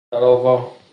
تراوا